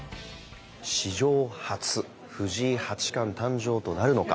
史上初、藤井八冠誕生となるのか